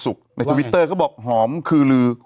ในทวิตเตอร์ก็บอกหอมคือลือ